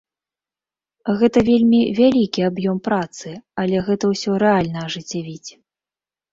Гэта вельмі вялікі аб'ём працы, але гэта ўсё рэальна ажыццявіць.